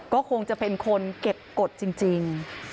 ก็คงจะเป็นคนเก็บกฎจริง